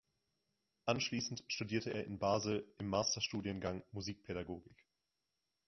Anschließend studierte er in Basel im Masterstudiengang Musikpädagogik.